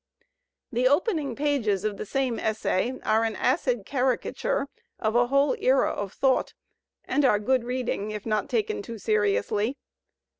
The opening pages of the same essay are an acid caricature of a whole era of thought and are good reading if not taken . too seriously.